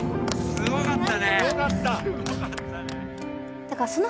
・すごかった！